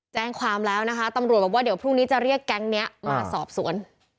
แจ้งความแล้วนะคะตำรวจบอกว่าเดี๋ยวพรุ่งนี้จะเรียกแก๊งนี้มาสอบสวน